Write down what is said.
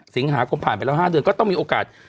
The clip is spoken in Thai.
สิงหาคมผ่านไปแล้ว๕เดือนก็ต้องมีโอกาส